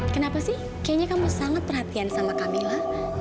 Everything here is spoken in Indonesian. kenapa sih kayaknya kamu sangat perhatian sama camilla